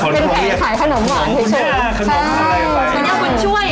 เป็นแผงขายขนมหวานให้เชิญ